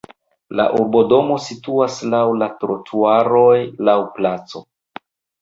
La urbodomo situas laŭ la trotuaroj laŭ placo.